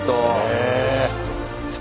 へえ。